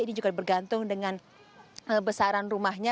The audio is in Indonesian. ini juga bergantung dengan besaran rumahnya